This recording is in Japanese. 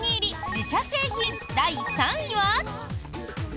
自社製品第３位は？